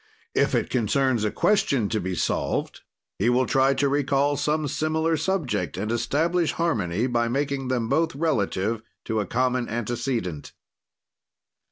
If it concerns a question to be solved, he will try to recall some similar subject, and establish harmony, by making them both relative to a common antecedent.